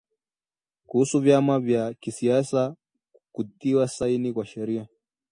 kuhusu vyama vya kisiasa kutiwa saini kuwa sheria